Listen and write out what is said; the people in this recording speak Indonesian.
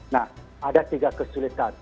nah ada tiga kesulitan